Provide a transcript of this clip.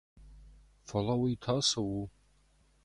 Фӕлӕ уый та цы у?